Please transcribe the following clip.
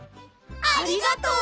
ありがとう！